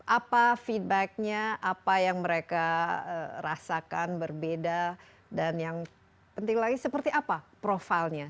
apa feedbacknya apa yang mereka rasakan berbeda dan yang penting lagi seperti apa profilnya